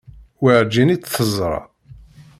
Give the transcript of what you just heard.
Werǧin i t-teẓra.